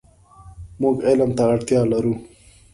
مونږ علم ته اړتیا لرو .